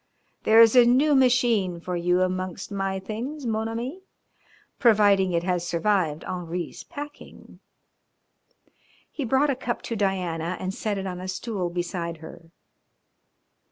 There is a new machine for you amongst my things, mon ami, providing it has survived Henri's packing." He brought a cup to Diana and set it on a stool beside her.